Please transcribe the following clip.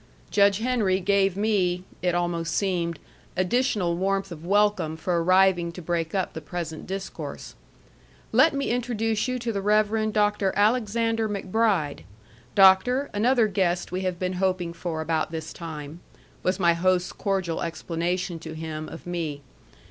Judge Henry gave me (it almost seemed) additional warmth of welcome for arriving to break up the present discourse. "Let me introduce you to the Rev. Dr. Alexander MacBride. Doctor, another guest we have been hoping for about this time," was my host's cordial explanation to him of me.